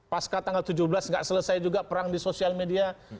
pasca tanggal tujuh belas nggak selesai juga perang di sosial media